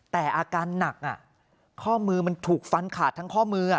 แต่อาการหนักข้อมือมันถูกฟันขาดทั้งข้อมือ